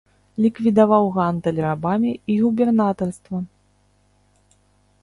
Ліквідаваў гандаль рабамі і губернатарства.